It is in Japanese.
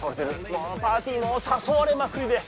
もうパーティーもさそわれまくりで。